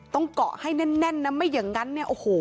ต้องเกาะให้แน่นนะไม่อย่างนั้นเนี่ยโอ้โห